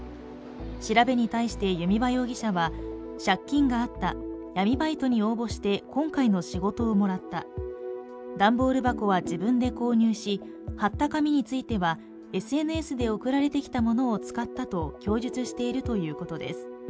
調べに対して弓場容疑者は借金があった、闇バイトに応募して今回の仕事をもらった段ボール箱は自分で購入し貼った紙についてはＳＮＳで送られてきたものを使ったと供述しているということです。